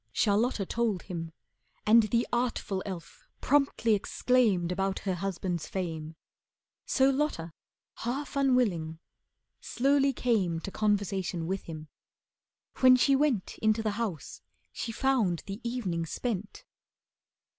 Charlotta told him. And the artful elf Promptly exclaimed about her husband's fame. So Lotta, half unwilling, slowly came To conversation with him. When she went Into the house, she found the evening spent.